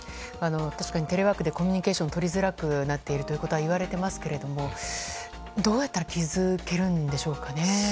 確かにテレワークでコミュニケーションが取りづらくなっていると言われていますけれどもどうやったら気付けるんでしょうかね。